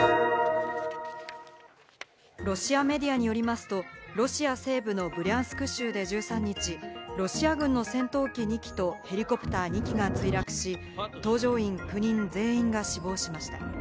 ロシアメディアによりますとロシア西部のブリャンスク州で１３日、ロシア軍の戦闘機２機とヘリコプター２機が墜落し、搭乗員９人全員が死亡しました。